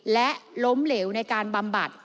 และล้มเหลวในการบำบัด